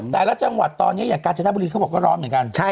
แต่ละจังหวัดตอนนี้อย่างกาญจนบุรีเขาบอกว่าร้อนเหมือนกัน